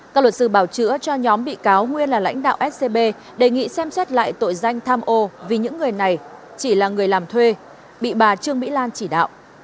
các luật sư bảo chữa cho nhóm bị cáo nguyên là lãnh đạo scb đề nghị xem xét lại tội danh tham ô vì những người này chỉ là người làm thuê bị bà trương mỹ lan chỉ đạo